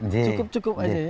cukup cukup aja ya